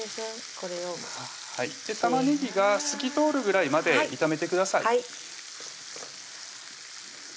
これをはい玉ねぎが透き通るぐらいまで炒めてください